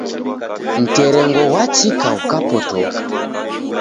Mterengo gwachika ghukapotoka